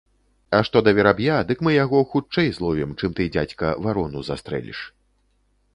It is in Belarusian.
А што да вераб'я, дык мы яго хутчэй зловім, чым ты, дзядзька, варону застрэліш.